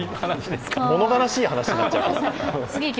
物悲しい話になっちゃった。